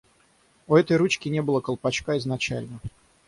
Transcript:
У этой ручки не было колпачка изначально.